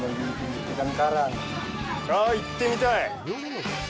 あっ、行ってみたい！